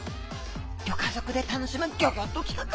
ギョ家族で楽しむギョギョッと企画！